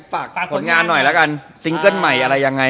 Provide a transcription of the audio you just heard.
ฝากผลงานหน่อยแล้วกันซิงเกิ้ลใหม่อะไรยังไง